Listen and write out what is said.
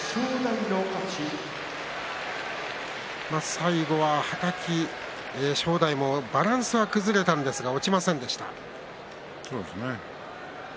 最後は、はたき、正代もバランスは崩れたんですが落ちませんでした。